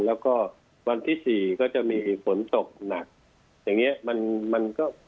แล้วก็วันที่๔ก็จะมีฝนตกหนักอย่างนี้มันก็